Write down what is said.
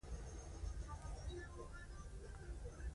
هغه چانس چې بارنس يې په لټه کې و پنځه کاله وروسته راڅرګند شو.